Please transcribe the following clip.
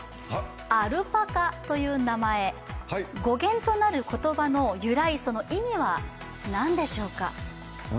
アルパカという名前、語源となる言葉の由来その意味は何でしょうか？